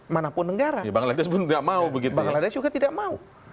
bangladesh juga tidak mau